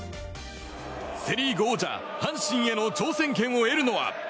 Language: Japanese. セ・リーグ王者阪神への挑戦権を得るのは？